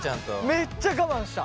めっちゃ我慢した。